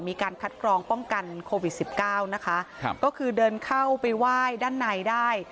มีการคัดกรองป้องกันโควิดสิบเก้านะคะครับก็คือเดินเข้าไปไหว้ด้านในได้